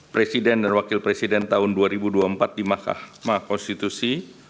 presiden dan wakil presiden tahun dua ribu dua puluh empat di mahkamah konstitusi